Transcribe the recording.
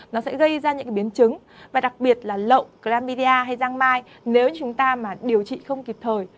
nó sẽ gây ra những biến chứng và đặc biệt là lậu gramida hay giang mai nếu chúng ta mà điều trị không kịp thời